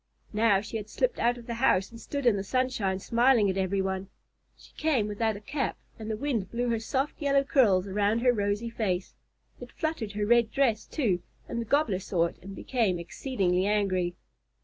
Now she had slipped out of the house and stood in the sunshine smiling at every one. She came without a cap, and the wind blew her soft yellow curls around her rosy face. It fluttered her red dress, too, and the Gobbler saw it and became exceedingly angry.